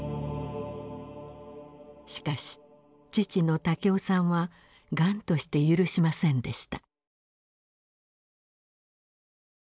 しかし父の武雄さんは頑として許しませんでした。